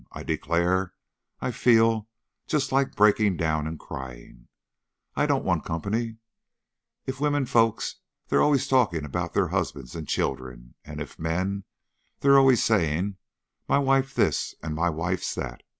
I declare I feel just like breaking down and crying. I don't want company: if women folks, they're always talking about their husbands and children; and if men, they're always saying: 'My wife's this, and my wife's that.'